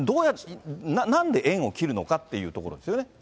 なんで縁を切るのかっていうところですよね。